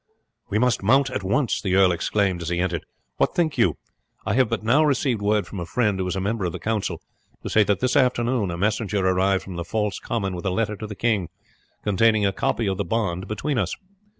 "We must mount at once!" the earl exclaimed as he entered. "What think you? I have but now received word from a friend, who is a member of the council, to say that this afternoon a messenger arrived from the false Comyn with a letter to the king, containing a copy of the bond between us.